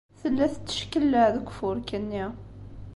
Tella tetteckellaɛ deg ufurk-nni.